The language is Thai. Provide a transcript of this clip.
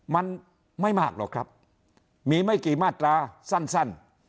มันไม่มากหรอกครับมีไม่กี่มาตราสั้น